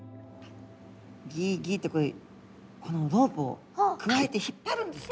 ギギってこのロープをくわえて引っ張るんですね。